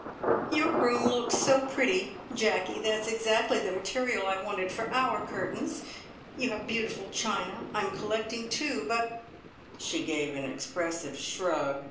"Your room looks so pretty. Jacky, that's exactly the material I wanted for our curtains. You have beautiful china. I'm collecting, too; but" she gave an expressive shrug.